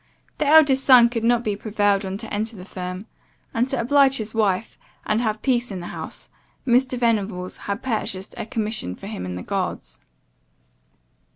The eldest son could not be prevailed on to enter the firm; and, to oblige his wife, and have peace in the house, Mr. Venables had purchased a commission for him in the guards.